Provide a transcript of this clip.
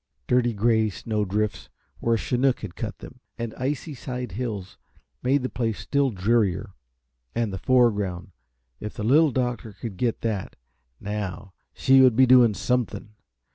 Dirty gray snow drifts, where a chinook had cut them, and icy side hills made the place still drearier. And the foreground if the Little Doctor could get that, now, she would be doing something!